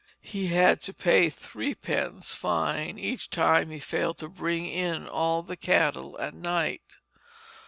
He had to pay threepence fine each time he failed to bring in all the cattle at night.